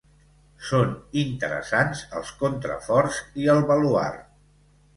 Són interessants els contraforts i el baluard.